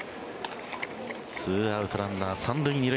２アウトランナー３塁２塁。